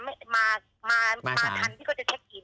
มาทันพี่ก็จะเชคอิน